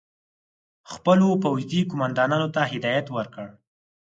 خپلو پوځي قوماندانانو ته هدایت ورکړ.